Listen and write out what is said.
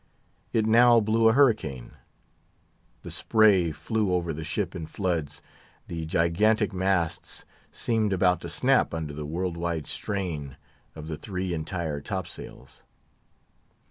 It now blew a hurricane. The spray flew over the ship in floods. The gigantic masts seemed about to snap under the world wide strain of the three entire top sails.